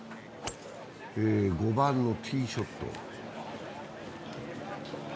５番のティーショット。